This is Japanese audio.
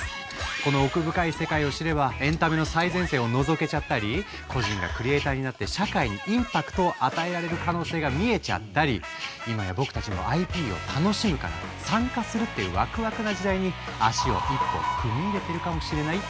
この奥深い世界を知ればエンタメの最前線をのぞけちゃったり個人がクリエイターになって社会にインパクトを与えられる可能性が見えちゃったり今や僕たちもＩＰを楽しむから参加するっていうワクワクな時代に足を一歩踏み入れてるかもしれないって話なんだ。